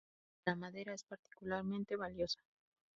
La madera es particularmente valiosa.